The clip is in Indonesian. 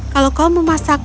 kalau kau memasakku